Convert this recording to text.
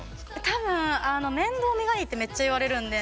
多分面倒見がいいってめっちゃ言われるんで。